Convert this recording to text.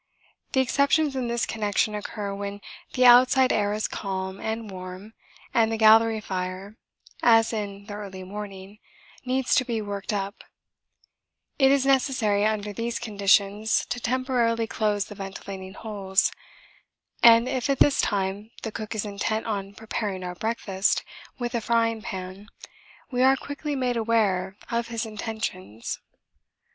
The exceptions in this connection occur when the outside air is calm and warm and the galley fire, as in the early morning, needs to be worked up; it is necessary under these conditions to temporarily close the ventilating holes, and if at this time the cook is intent on preparing our breakfast with a frying pan we are quickly made aware of his intentions.